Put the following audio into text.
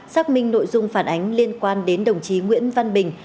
xác minh nội dung phản ánh liên quan đến đồng chí nguyễn văn bình